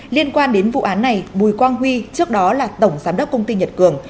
liên quan đến vụ án này bùi quang huy trước đó là tổng giám đốc công ty nhật cường